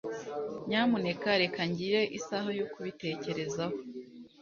Nyamuneka reka ngire isaha yo kubitekerezaho.